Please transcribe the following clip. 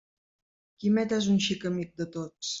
Quimet és un xic amic de tots.